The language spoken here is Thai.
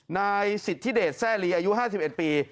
นายสิทธิเดชแทร่ลีอายุ๕๑ปี